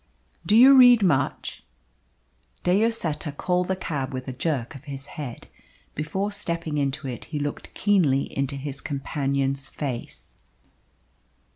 "Do you read much?" De Lloseta called the cab with a jerk of his head. Before stepping into it he looked keenly into his companion's face.